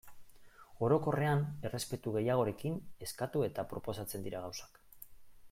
Orokorrean errespetu gehiagorekin eskatu eta proposatzen dira gauzak.